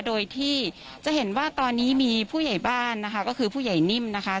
โดยที่จะเห็นว่าตอนนี้มีผู้ใหญ่บ้านนะคะก็คือผู้ใหญ่นิ่มนะคะ